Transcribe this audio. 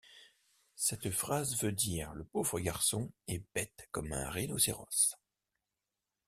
Cette phrase veut dire: Le pauvre garçon est bête comme un rhinocéros.